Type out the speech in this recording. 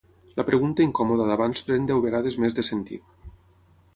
La pregunta incòmoda d'abans pren deu vegades més de sentit.